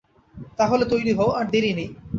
তা হলে তৈরি হও, আর দেরি নেই।